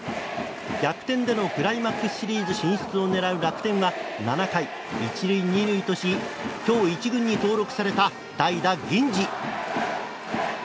逆転でクライマックスシーズン進出を狙う楽天は７回、１塁２塁とし今日１軍に登録された代打、銀次。